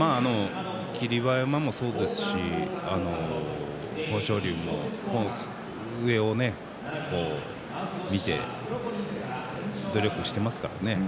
霧馬山もそうですし豊昇龍も上を見て努力していますからね。